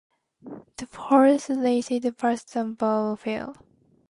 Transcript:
The horse raced past the barn, fell.